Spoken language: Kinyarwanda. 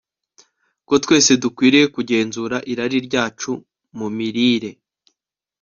ko twese dukwiriye kugenzura irari ryacu mu mirire